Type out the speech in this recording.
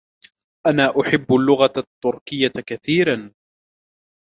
أنا أحب اللغة التركية كثيراً.